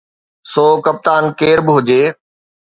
سو ڪپتان ڪير به هجي